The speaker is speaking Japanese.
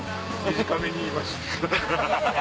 短めに言いました。